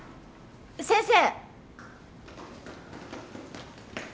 先生！